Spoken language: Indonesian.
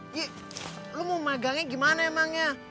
iya lu mau megangnya gimana emangnya